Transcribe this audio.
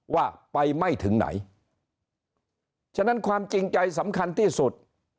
ว่าไปไม่ถึงไหนฉะนั้นความจริงใจสำคัญที่สุด